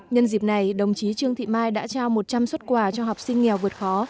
nhân dịp này đồng chí trương thị mai đã trao một trăm linh xuất quà cho học sinh nghèo vượt khó